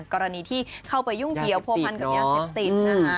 กรณีที่เข้าไปยุ่งเกียวโภพันกับยาเซปติด